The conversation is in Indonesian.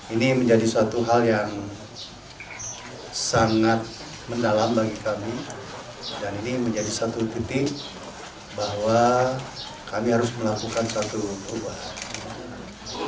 ini menjadi satu hal yang sangat mendalam bagi kami dan ini menjadi satu titik bahwa kami harus melakukan satu perubahan